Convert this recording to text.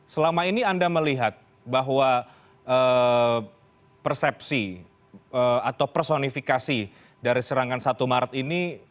selama ini anda melihat bahwa persepsi atau personifikasi dari serangan satu maret ini